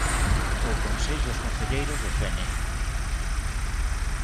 Ou con seis dos concelleiros de Fene.